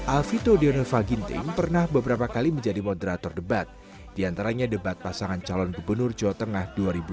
alvito deova ginting pernah beberapa kali menjadi moderator debat diantaranya debat pasangan calon gubernur jawa tengah dua ribu dua puluh